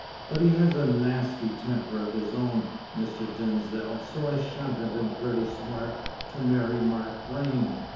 But he has a nasty temper of his own, Mr. Denzil, so I shunted him pretty smart to marry Mark Vrain.